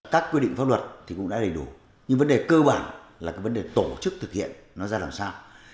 các quy định pháp luật thì cũng đã đầy đủ nhưng vấn đề cơ bản là cái vấn đề tổ chức thực hiện nó ra làm sao